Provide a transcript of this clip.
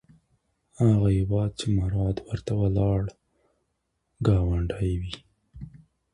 هغه هیواد چې مراد ورته لاړ، ګاونډی و.